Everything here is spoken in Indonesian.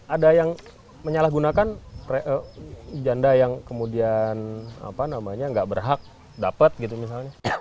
ada yang menyalahgunakan janda yang kemudian gak berhak dapat gitu misalnya